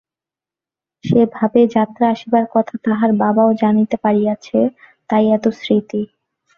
সে ভাবে, যাত্রা আসিবার কথা তাহার বাবাও জানিতে পারিযাছে, তাই এত স্মৃর্তি।